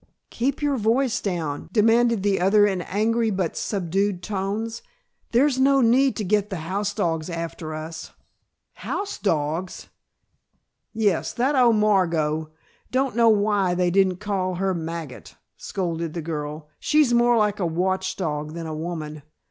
"Keep your voice down," demanded the other in angry but subdued tones. "There's no need to get the house dogs after us." "House dogs?" "Yes, that old Margot don't know why they didn't call her Magot," scolded the girl, "she's more like a watch dog than a woman.